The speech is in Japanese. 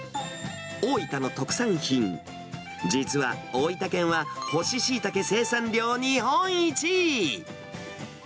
大分の特産品、実は大分県は干しシイタケ生産量日本一。